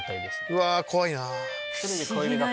うわ怖いな。